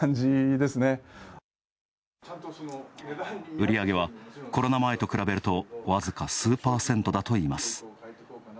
売り上げはコロナ前と比べると僅か数パーセントだといいます。